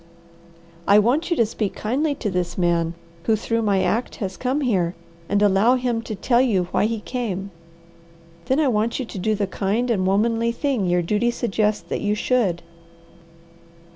"I want you to speak kindly to this man, who through my act has come here, and allow him to tell you why he came. Then I want you to do the kind and womanly thing your duty suggests that you should."